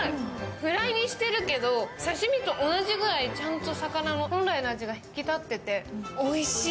フライにしてるけど、刺身と同じぐらい、ちゃんと魚の本来の味が引き立ってておいしい。